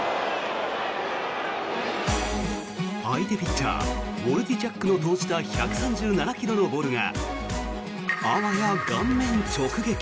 相手ピッチャーウォルディチャックが投じたボールがあわや顔面直撃。